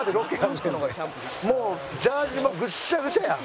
もうジャージーもグッシャグシャやん。